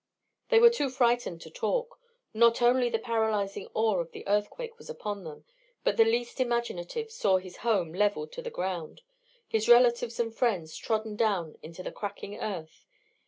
They were too frightened to talk; not only the paralysing awe of the earthquake was upon them, but the least imaginative saw his home levelled to the ground, his relatives and friends trodden down into the cracking earth.